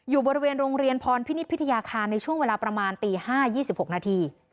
อยู่บริเวณโรงเรียนพรพินิษฐพิทยาคารในช่วงเวลาประมาณตี๕๒๖นาที